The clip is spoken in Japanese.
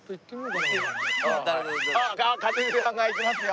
一茂さんがいきますよ。